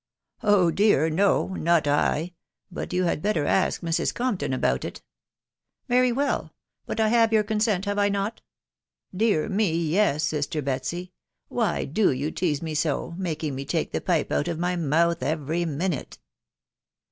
" Oh dear; no*J not' I ;.... but you/ had. bettor ask Mrs* Comptonaboot it." "'Very welL .... Bat I bum? your consent* here I not?" "Dear me, yes* sitter Betsy. .... Why do yow tease me so, making me take the pipe out of ray mouth every minute?"